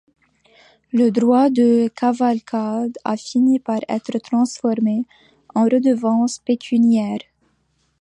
Le droit de cavalcade a fini par être transformé en redevance pécuniaire.